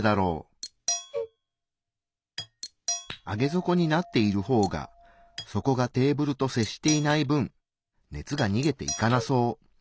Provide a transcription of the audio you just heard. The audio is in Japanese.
上げ底になっている方が底がテーブルと接していない分熱がにげていかなそう。